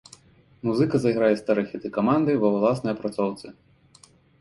Музыка зайграе старыя хіты каманды ва ўласнай апрацоўцы.